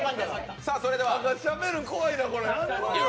しゃべるの怖いな、これ。